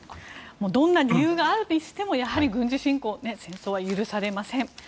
どんな理由があるにしてもやはり軍事侵攻戦争は許されません。